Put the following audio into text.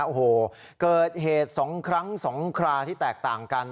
โอ้โหเกิดเหตุ๒ครั้ง๒คราที่แตกต่างกัน